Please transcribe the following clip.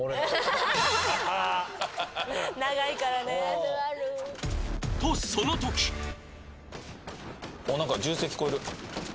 長いからね。とそのとき！なんか銃声聞こえる。